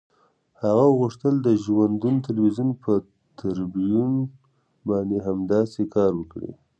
هغه غوښتل د ژوندون تلویزیون پر تریبیون باندې همداسې کار وکړي.